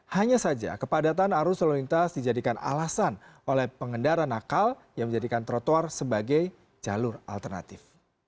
hanya saja kepadatan arus lalu lintas dijadikan alasan oleh pengendara nakal yang menjadikan trotoar sebagai jalur alternatif